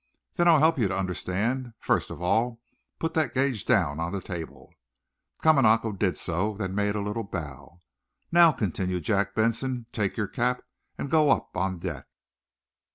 "Then I'll help you to understand. First of all, put that gauge down on the table!" Kamanako did so, then made a little bow. "Now," continued Jack Benson, "take cap and go up on deck."